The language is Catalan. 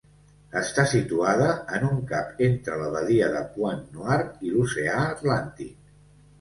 Està situada en un cap entre la badia de Pointe-Noire i l'oceà Atlàntic.